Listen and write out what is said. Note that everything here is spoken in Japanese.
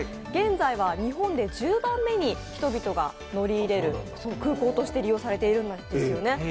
現在は日本で１０番目に人々が乗り入れる空港として利用されているんですね。